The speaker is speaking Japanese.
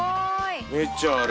めっちゃある。